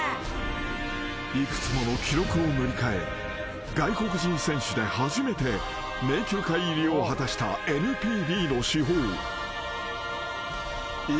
［幾つもの記録を塗り替え外国人選手で初めて名球会入りを果たしたＮＰＢの至宝］